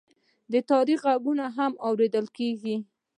د تاریخ غږونه هم اورېدل کېږي.